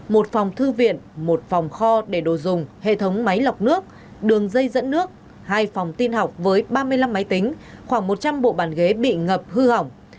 một phòng thư viện một phòng kho để đồ dùng hệ thống máy lọc nước đường dây dẫn nước hai phòng tin học với ba mươi năm máy tính khoảng một trăm linh bộ bàn ghế bị ngập hư hỏng